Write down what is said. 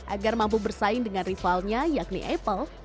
agar mampu bersaing dengan rivalnya yakni apple